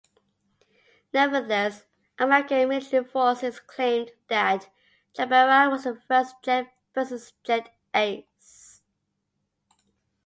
Nevertheless, American military forces claimed that Jabara was the first jet-versus-jet ace.